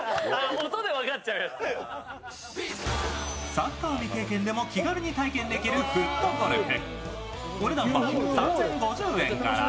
サッカー未経験でも気軽に体験できるフットゴルフ。